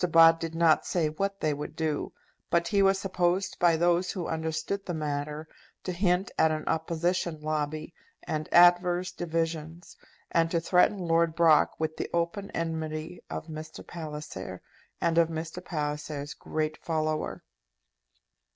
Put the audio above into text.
Bott did not say what they would do; but he was supposed by those who understood the matter to hint at an Opposition lobby, and adverse divisions, and to threaten Lord Brock with the open enmity of Mr. Palliser, and of Mr. Palliser's great follower.